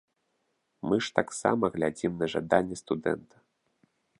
Мы ж таксама глядзім на жаданне студэнта.